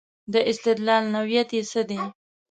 د استدلال نوعیت یې څه دی.